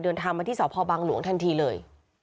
เดินทางมาที่สพบังหลวงทันทีเลย